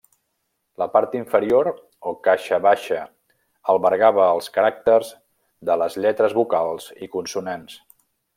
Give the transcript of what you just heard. La part inferior, o caixa baixa albergava els caràcters de les lletres vocals i consonants.